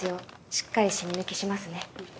しっかりシミ抜きしますね。